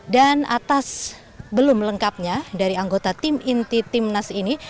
dan atas belum lengkapnya dari anggota tim inti timnas ini